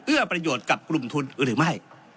ประโยชน์กับกลุ่มทุนหรือไม่